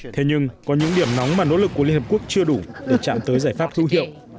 thế nhưng có những điểm nóng mà nỗ lực của liên hợp quốc chưa đủ để chạm tới giải pháp hữu hiệu